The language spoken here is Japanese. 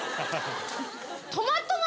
トマト的。